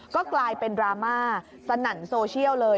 ก็กลายเป็นดราม่าสนั่นโซเชียลเลย